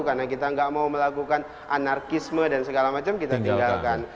karena kita gak mau melakukan anarkisme dan segala macam kita tinggalkan